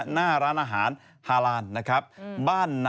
หน้าร้านอาหารฮาลานนะครับ